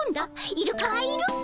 イルカはいるか？